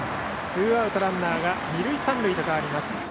ツーアウトランナーが二塁三塁と変わります。